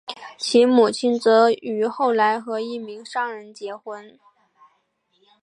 其母亲则于后来和一名商人结婚。